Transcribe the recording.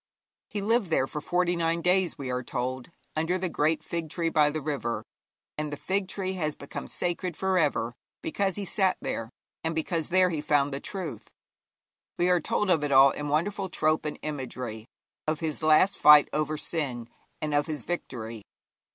He lived there for forty nine days, we are told, under the great fig tree by the river. And the fig tree has become sacred for ever because he sat there and because there he found the truth. We are told of it all in wonderful trope and imagery of his last fight over sin, and of his victory.